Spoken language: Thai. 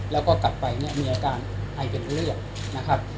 แล้วก็กลับไปเนี่ยมีอาการไอเป็นเลือดนะครับ